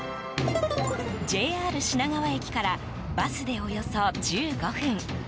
ＪＲ品川駅からバスでおよそ１５分。